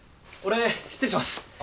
俺失礼します。